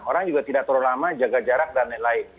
orang juga tidak terlalu lama jaga jarak dan lain lain